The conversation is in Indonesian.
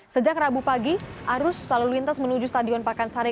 sejak rabu pagi arus lalu lintas menuju stadion pakansari